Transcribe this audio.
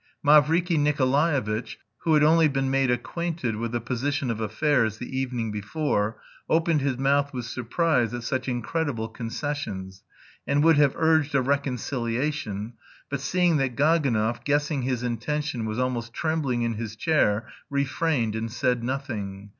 Mavriky Nikolaevitch, who had only been made acquainted with the position of affairs the evening before, opened his mouth with surprise at such incredible concessions, and would have urged a reconciliation, but seeing that Gaganov, guessing his intention, was almost trembling in his chair, refrained, and said nothing.